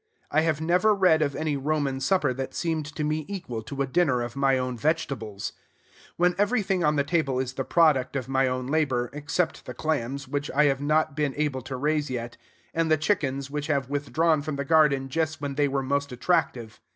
I have never read of any Roman supper that seemed to me equal to a dinner of my own vegetables; when everything on the table is the product of my own labor, except the clams, which I have not been able to raise yet, and the chickens, which have withdrawn from the garden just when they were most attractive.